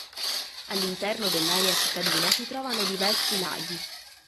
All'interno dell'area cittadina si trovano diversi laghi.